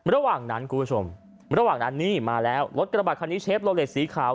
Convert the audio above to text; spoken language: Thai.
ระหว่างนั้นรถกระบาดคันนี้เชฟโลเลสสีขาว